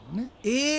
え！